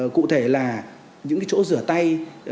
cụ thể là những cái chỗ rửa tay